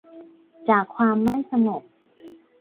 จากความไม่สงบ